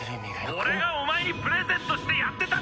俺がお前にプレゼントしてやってたんだよ！